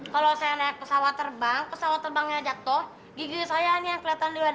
kalau saya naik pesawat terbang pesawat terbangnya jatuh gigi saya nih yang kelihatan di luar